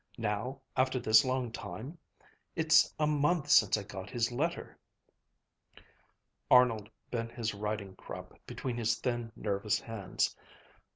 now after this long time? It's a month since I got his letter." Arnold bent his riding crop between his thin, nervous hands.